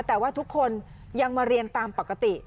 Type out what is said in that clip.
แต่ว่าทุกคนยังมาเรียนตามปกติ